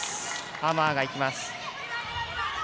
ハマーがいきます。